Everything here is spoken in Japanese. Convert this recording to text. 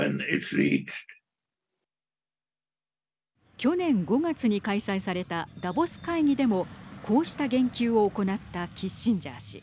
去年５月に開催されたダボス会議でもこうした言及を行ったキッシンジャー氏。